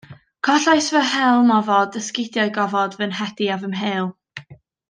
Collais fy helm ofod, esgidiau gofod, fy nhedi a fy mhêl